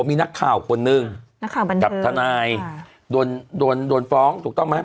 มีหน้าข่าวคนนึง